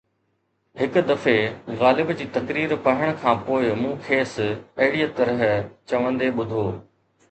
هڪ دفعي غالب جي تقرير پڙهڻ کان پوءِ مون کيس ”اهڙيءَ طرح“ چوندي ٻڌو.